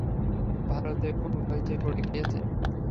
ভারতে খুব হইচই পড়ে গিয়েছে।